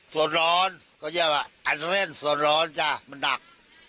ส่วนร้อนเขาเรียกว่าอันเซเว่นส่วนร้อนจ้ะมันหนัก